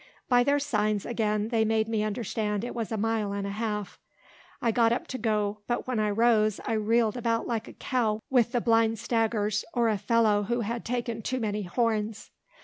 By their signs, again, they made me understand it was a mile and a half. I got up to go; but when I rose, I reeled about like a cow with the blind staggers, or a fellow who had taken too many "horns."